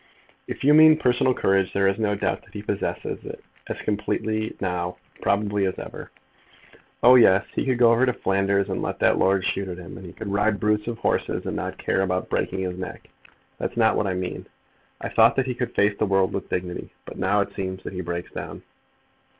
"If you mean personal courage, there is no doubt that he possesses it, as completely now, probably, as ever." "Oh yes; he could go over to Flanders and let that lord shoot at him; and he could ride brutes of horses, and not care about breaking his neck. That's not what I mean. I thought that he could face the world with dignity; but now it seems that he breaks down."